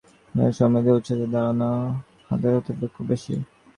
আপনার যে উক্ত মিস হ্যামলিন সম্বন্ধে অতি উচ্চ ধারণা, তাতে আমি খুব খুশী।